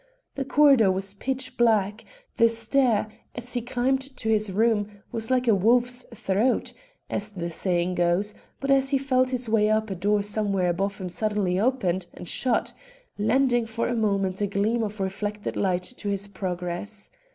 The corridor was pitch black, the stair, as he climbed to his room, was like a wolf's throat, as the saying goes; but as he felt his way up, a door somewhere above him suddenly opened and shut, lending for a moment a gleam of reflected light to his progress.